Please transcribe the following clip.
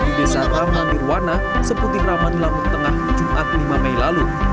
pusat ramlan biruana seputih ramlan di lampung tengah jumat lima mei lalu